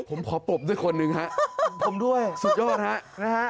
ผมขอปบด้วยคนหนึ่งฮะผมด้วยสุดยอดฮะนะฮะ